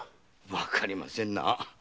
わかりませんな。